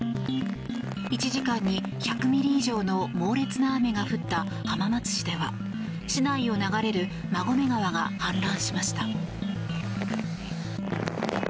１時間に１００ミリ以上の猛烈な雨が降った浜松市では市内を流れる馬込川が氾濫しました。